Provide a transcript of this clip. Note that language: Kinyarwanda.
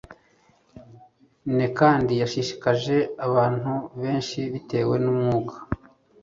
ne kandi yashishikaje abantu benshi bitewe n umwuka